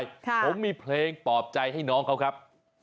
ผมมีเพลงปลอบใจให้น้องเขาครับ